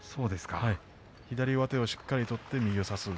左上手をしっかり取って右を差す。